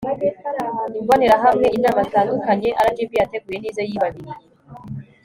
Imbonerahamwe Inama zitandukanye RGB yateguye n izo yibabiriye